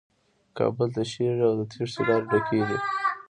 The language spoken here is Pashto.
کابل تشېږي او د تېښې لارې ډکې دي.